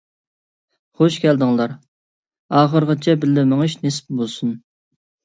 خۇش كەلدىڭلار، ئاخىرىغىچە بىللە مېڭىش نېسىپ بولسۇن.